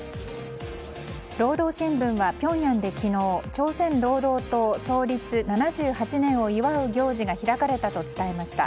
労働新聞はピョンヤンで昨日朝鮮労働党創立７８年を祝う行事が開かれたと伝えました。